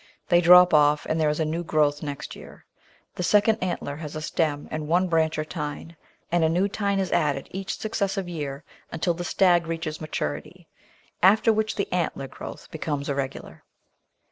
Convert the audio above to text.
They drop off and there is a new growth next year. The second antler has a stem and one branch or tine, and a new tine is added each successive year until the stag reaches maturity, after which the antler growth becomes irregular.